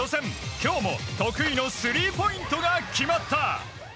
今日も得意のスリーポイントが決まった！